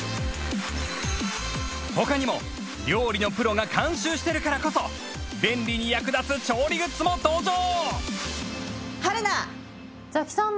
他にも料理のプロが監修しているからこそ便利に役立つ調理グッズも登場